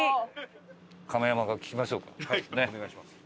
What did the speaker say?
お願いします。